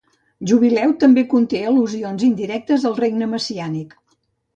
"Jubileu" també conté al·lusions indirectes al regne messiànic.